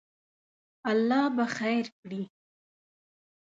الله به خیر کړی